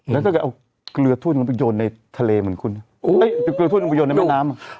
แล้วก็จะเอาเกลือทุนให้ไปยนต์ในแมนน้ำ